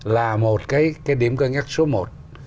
là một cái điểm cân nhắc số một